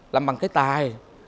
làm bằng cái tài